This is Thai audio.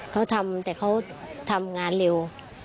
เขาทำแต่เขาทำงานเร็ว